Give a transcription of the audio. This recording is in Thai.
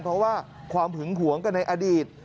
เพราะว่าความหึงหวงกันในอดีต